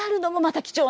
貴重な。